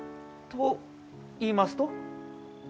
と言いますと？